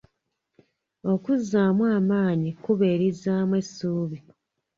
Okuzzaamu amaanyi kkubo erizzaamu essuubi.